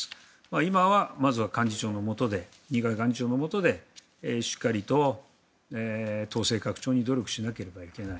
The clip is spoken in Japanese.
今はまずは二階幹事長のもとでしっかりと党勢拡張に努力しなければいけない。